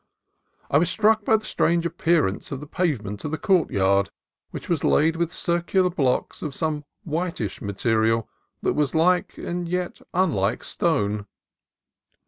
I was struck by the strange appearance of the pave ment of the courtyard, which was laid with circular blocks of some whitish material that was like, and yet unlike, stone.